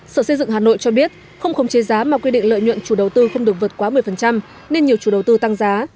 sở xây dựng hà nội cho biết không khống chế giá mà quy định lợi nhuận chủ đầu tư không được vượt quá một mươi nên nhiều chủ đầu tư tăng giá